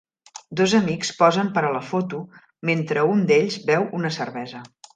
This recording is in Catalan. Dos amics posen per a la foto mentre un d'ells beu una cervesa.